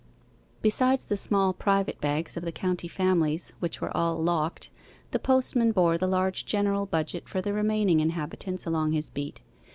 Besides the small private bags of the county families, which were all locked, the postman bore the large general budget for the remaining inhabitants along his beat.